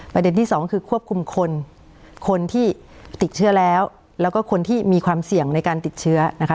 ที่สองคือควบคุมคนคนที่ติดเชื้อแล้วแล้วก็คนที่มีความเสี่ยงในการติดเชื้อนะคะ